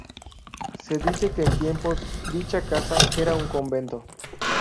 Se dice que en tiempos dicha casa era un convento.